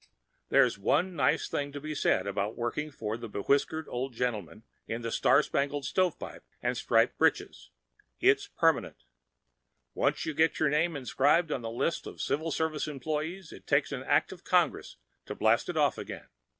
There's one nice thing to be said about working for the bewhiskered old gentleman in the star spangled stovepipe and striped britches: it's permanent. Once you get your name inscribed on the list of Civil Service employees it takes an act of Congress to blast it off again.